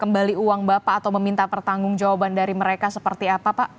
kembali uang bapak atau meminta pertanggung jawaban dari mereka seperti apa pak